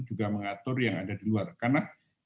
juga mengatur yang ada di luar karena